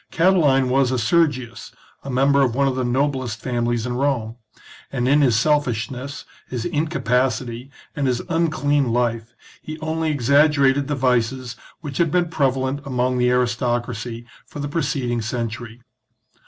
Catiline was a Sergius, a member of one of the noblest families in Rome ; and in his selfishness, his incapacity, and his unclean life, he only exaggerated the vices which had been prevalent among the aristoc racy for the preceding century.